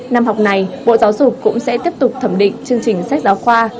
năm học này bộ giáo dục cũng sẽ tiếp tục thẩm định chương trình sách giáo khoa